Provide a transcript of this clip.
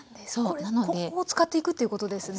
ここを使っていくということですね。